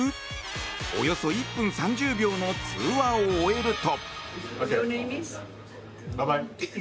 およそ１分３０秒の通話を終えると。